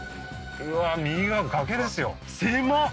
うわ右側崖ですよ狭っ！